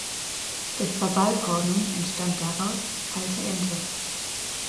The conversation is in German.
Durch Verballhornung entstand daraus "kalte Ente".